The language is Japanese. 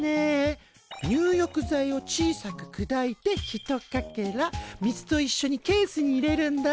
入浴剤を小さくくだいてひとかけら水といっしょにケースに入れるんだ。